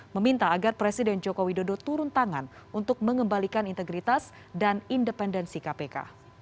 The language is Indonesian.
meminta agar presiden joko widodo turun tangan untuk mengembalikan integritas dan independensi kpk